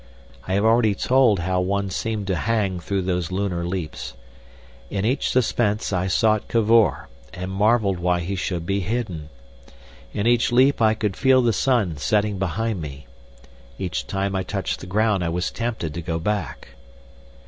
I have already told how one seemed to hang through those lunar leaps. In each suspense I sought Cavor, and marvelled why he should be hidden. In each leap I could feel the sun setting behind me. Each time I touched the ground I was tempted to go back.